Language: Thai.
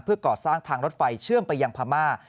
ก่อสร้างทางรถไฟเชื่อมไปยังพม่า